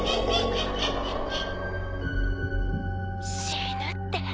死ぬって。